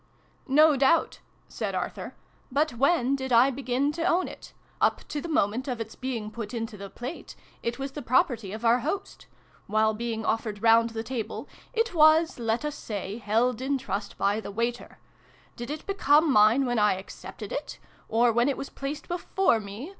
" No doubt," said Arthur :" but when did I begin to own it ? Up to the moment of its being put into the plate, it was the property of our host : while being offered round the table, it was, let us say, held in trust by the waiter : did it become mine when I accepted it ? Or when it was placed before me